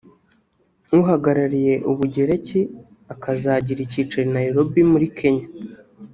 uhagarariye Ubugereki akazagira icyicaro i Nairobi muri Kenya